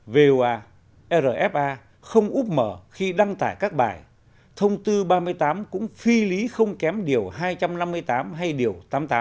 voa rfa không úp mở khi đăng tải các bài thông tư ba mươi tám cũng phi lý không kém điều hai trăm năm mươi tám hay điều tám mươi tám